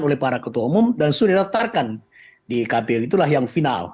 oleh para ketua umum dan sudah diletakkan di kpu itulah yang final